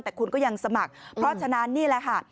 แต่คุณก็ยังสมัครเพราะฉะนั้นนี่แหละค่ะ